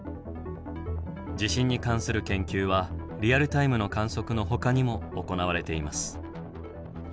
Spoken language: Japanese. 地震に関する研究はリアルタイムの観測のほかにも行われています。